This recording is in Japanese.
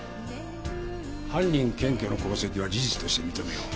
犯人検挙の功績は事実として認めよう。